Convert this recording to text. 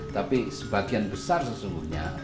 tapi sebagian besar sesungguhnya